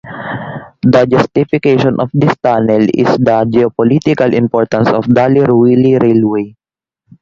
The justification of this tunnel is the geopolitical importance of the Dali–Ruili railway.